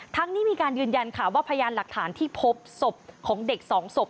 นี้มีการยืนยันค่ะว่าพยานหลักฐานที่พบศพของเด็กสองศพ